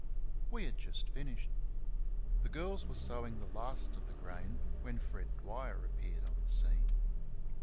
We had just finished. The girls were sowing the last of the grain when Fred Dwyer appeared on the scene.